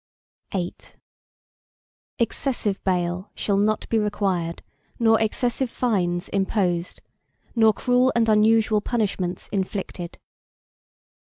VIII Excessive bail shall not be required nor excessive fines imposed, nor cruel and unusual punishments inflicted.